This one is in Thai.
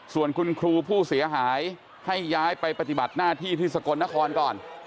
ส่วนคุณครูผู้เสียหายให้ย้ายไปปฏิบัติหน้าที่ที่สกลนครก่อน